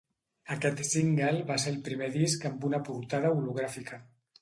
Aquest single va ser el primer disc amb una portada hologràfica.